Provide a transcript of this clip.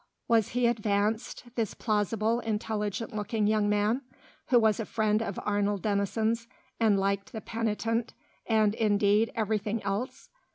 Was he advanced, this plausible, intelligent looking young man, who was a friend of Arnold Denison's and liked "The Penitent," and, indeed, everything else?